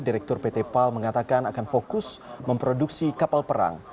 direktur pt pal mengatakan akan fokus memproduksi kapal perang